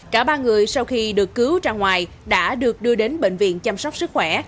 cả ba người sau khi được cứu ra ngoài đã được đưa đến bệnh viện chăm sóc sức khỏe